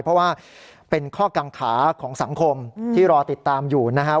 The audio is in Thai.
เพราะว่าเป็นข้อกังขาของสังคมที่รอติดตามอยู่นะครับ